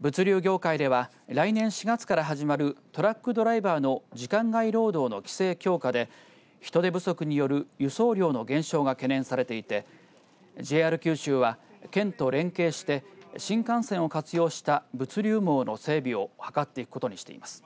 物流業界では来年４月から始まるトラックドライバーの時間外労働の規制強化で人手不足による輸送量の減少が懸念されていてＪＲ九州は県と連携して新幹線を活用した物流網の整備を図っていくことにしています。